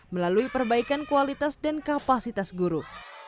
melalui perbaikan kualitas dan kapasitas guru